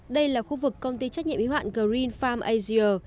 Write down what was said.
đây là khu vực công ty trách nhiệm hữu hạn green farm asia